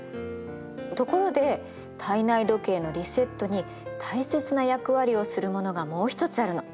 ところで体内時計のリセットに大切な役割をするものがもう一つあるの。